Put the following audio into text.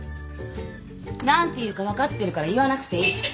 何て言うか分かってるから言わなくていい。